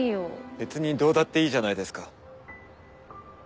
別にどうだっていいじゃないですか。